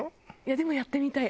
でもやってみたい。